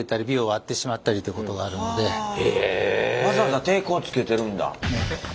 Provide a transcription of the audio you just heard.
それでわざわざ抵抗つけてるんだ。